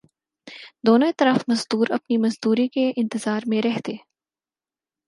دونوں اطراف مزدور اپنی مزدوری کے انتظار میں رہتے